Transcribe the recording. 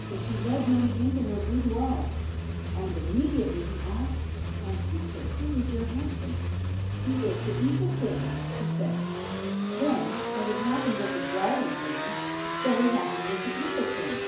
Soon she led him into her boudoir, and immediately he asked :' My sister, who is your husband ?' 1 He is the Eagle King,' said she. Then, as it had happened with the Dragon King, so it happened with the Eagle King.